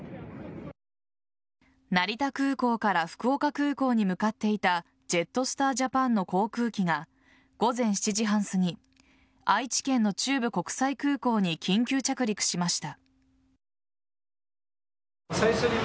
成田空港から福岡空港に向かっていたジェットスター・ジャパンの航空機が午前７時半すぎ愛知県の中部国際空港に緊急着陸しました。